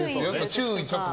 注意。